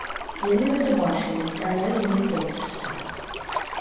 Яны гэта бачылі і стралялі не цэлячыся.